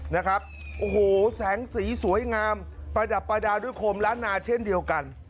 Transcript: นะครับโอ้โหแสงสีสวยงามประดับประดาษด้วยโคมล้านนาเช่นเดียวกัน